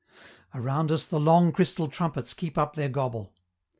Around us the long crystal trumpets keep up their gobble.